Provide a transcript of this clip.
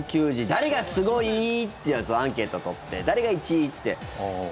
誰がすごい？ってやつをアンケート取って誰が１位？って。